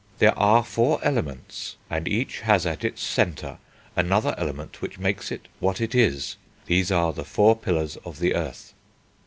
"There are four Elements, and each has at its centre another element which makes it what it is. These are the four pillars of the earth."